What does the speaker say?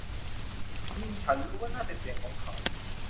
ฉันรู้ว่านั่นเป็นเสียงของเขา